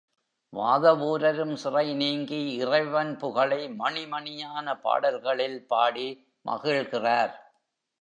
வாதவூரரும் சிறை நீங்கி இறைவன் புகழை மணி மணியான பாடல்களில் பாடி மகிழ்கிறார்.